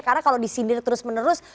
karena kalau disindir terus menerus